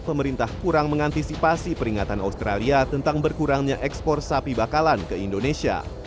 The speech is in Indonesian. pemerintah kurang mengantisipasi peringatan australia tentang berkurangnya ekspor sapi bakalan ke indonesia